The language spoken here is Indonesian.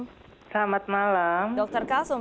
selamat malam dr kalsum